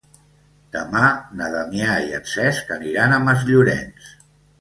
Demà na Damià i en Cesc aniran a Masllorenç.